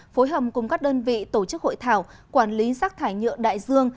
phối hợp cùng các đơn vị tổ chức hội thảo quản lý rác thải nhựa đại dương